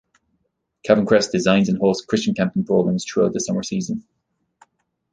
Calvin Crest designs and hosts Christian camping programs throughout the summer season.